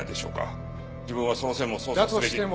自分はその線も捜査すべき。